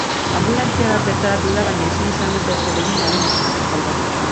Anbulantzia bat bertaratu da baina ezin izan dute ezer egin haren bizitza salbatzeko.